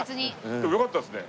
でもよかったですね。